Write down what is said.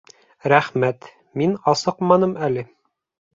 Рәхмәт, мин асыҡманым әле